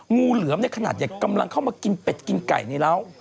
งูเหลือมขนาดใหญ่กำลังเข้ามากินเป็ดกินไก่ในร้าว